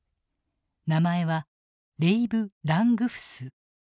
名前はレイブ・ラングフス。